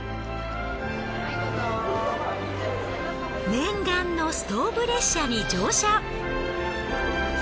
念願のストーブ列車に乗車。